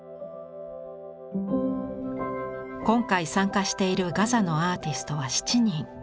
今回参加しているガザのアーティストは７人。